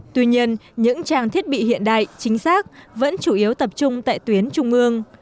tuy nhiên những trang thiết bị hiện đại chính xác vẫn chủ yếu tập trung tại tuyến trung ương